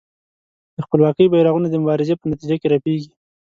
د خپلواکۍ بېرغونه د مبارزې په نتیجه کې رپېږي.